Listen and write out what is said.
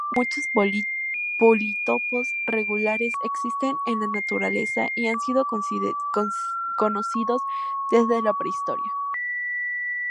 Muchos politopos regulares existen en la naturaleza y han sido conocidos desde la prehistoria.